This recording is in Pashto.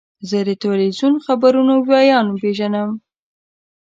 زه د تلویزیون د خبرونو ویاند پیژنم.